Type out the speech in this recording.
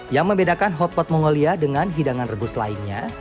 yang membedakan hotpot mongolia dengan hidangan rebus lainnya